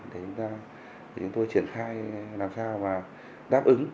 để chúng tôi triển khai làm sao mà đáp ứng